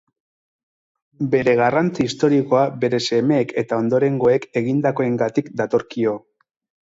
Bere garrantzi historikoa bere semeek eta ondorengoek egindakoengatik datorkio.